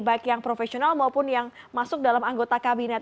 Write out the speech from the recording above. baik yang profesional maupun yang masuk dalam anggota kabinet